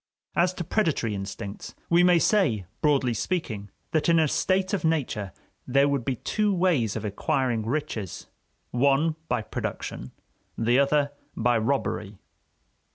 As to predatory instincts, we may say, broadly speaking, that in a state of nature there would be two ways of acquiring riches one by production, the other by robbery.